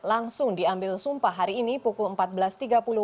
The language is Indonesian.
langsung diambil sumpah hari ini pukul empat belas tiga puluh waktu indonesia barat